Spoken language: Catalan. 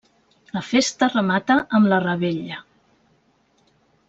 La festa remata amb la revetlla.